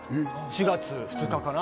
４月２日かな？